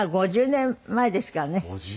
５０年前ですか。